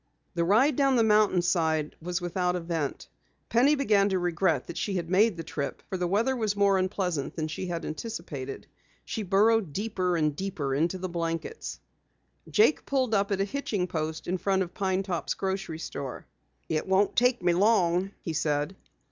The ride down the mountainside was without event. Penny began to regret that she had made the trip, for the weather was more unpleasant than she had anticipated. She burrowed deeper and deeper into the blankets. Jake pulled up at a hitching post in front of Pine Top's grocery store. "It won't take me long," he said.